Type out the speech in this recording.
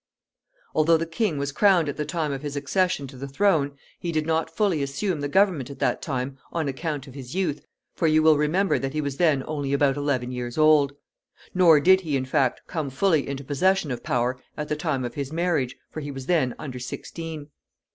Although the king was crowned at the time of his accession to the throne, he did not fully assume the government at that time on account of his youth, for you will remember that he was then only about eleven years old; nor did he, in fact, come fully into possession of power at the time of his marriage, for he was then under sixteen.